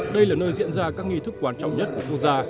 đây là nơi diễn ra các nghi thức quan trọng nhất của quốc gia